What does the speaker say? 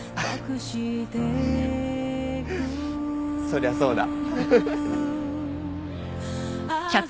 そりゃそうだ。